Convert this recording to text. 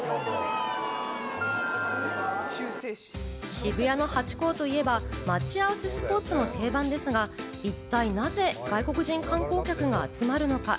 渋谷のハチ公といえば待ち合わせスポットの定番ですが、一体なぜ外国人観光客が集まるのか？